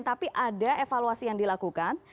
tapi ada evaluasi yang dilakukan